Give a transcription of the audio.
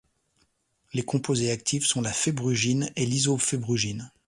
Les composés actifs sont la fébrugine et l'isofébrugine.